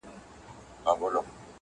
په هغه شپه یې د مرګ پر لور روان کړل -